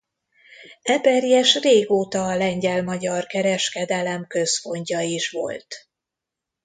Eperjes régóta a lengyel-magyar kereskedelem központja is volt.